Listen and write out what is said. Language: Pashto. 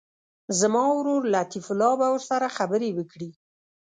زما ورور لطیف الله به ورسره خبرې وکړي.